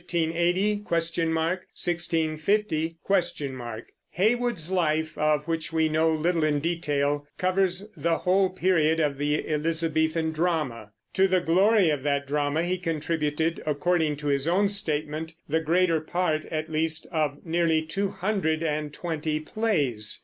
1650?). Heywood's life, of which we know little in detail, covers the whole period of the Elizabethan drama. To the glory of that drama he contributed, according to his own statement, the greater part, at least, of nearly two hundred and twenty plays.